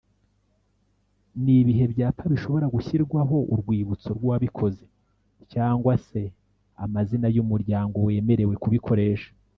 Nibihe byapa bishobora gushyirwaho urwibutso rw’uwabikoze cg se amazina y’umuryango wemerewe kubikoresha